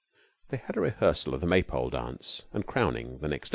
They had a rehearsal of the Maypole dance and crowning the next day.